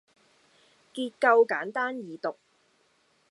結構簡單易讀